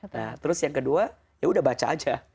nah terus yang kedua ya udah baca aja